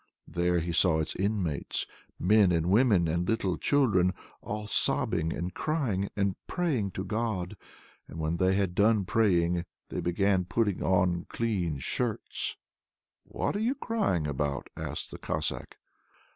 There he saw its inmates, men and women and little children, all sobbing and crying and praying to God; and when they had done praying, they began putting on clean shirts. "What are you crying about?" asked the Cossack.